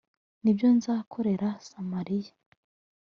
ni byo nzakorera samariya